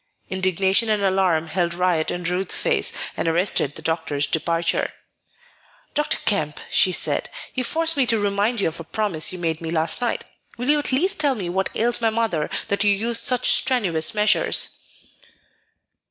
Indignation and alarm held riot in Ruth's face and arrested the doctor's departure. "Dr. Kemp," she said, "you force me to remind you of a promise you made me last night. Will you at least tell me what ails my mother that you use such strenuous measures?"